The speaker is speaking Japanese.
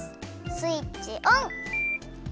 スイッチオン！